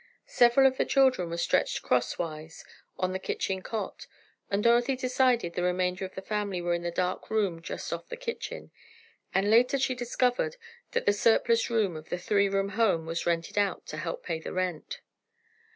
Several of the children were stretched crosswise on the kitchen cot, and Dorothy decided the remainder of the family were in the dark room just off the kitchen, and later she discovered that the surplus room of the three room home was rented out, to help pay the rent.